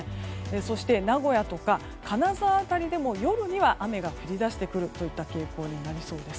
そして、名古屋とか金沢辺りでも夜には雨が降り出してくるといった傾向になりそうです。